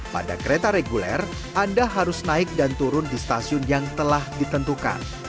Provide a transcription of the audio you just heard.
pada kereta reguler anda harus naik dan turun di stasiun yang telah ditentukan